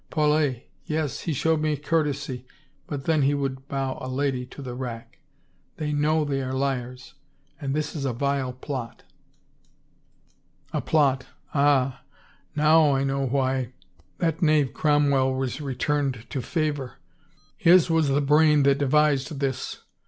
Paulet — yes, he showed me courtesy, but then he would bow a lady to the rack. ... They know they are liars! And this is a vile plot. A plot — ah, now I know why 325 THE FAVOR OF KINGS that knave Cromwell was returned to favor! His was the brain that devised this.